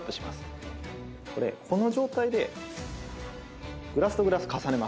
この状態でグラスとグラス重ねます。